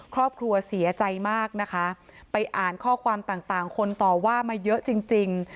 ครอบครัวเสียใจมากนะคะไปอ่านข้อความต่างคนต่อว่ามาเยอะจริงจริง